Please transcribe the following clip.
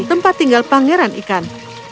tempat tinggal pangeran ikan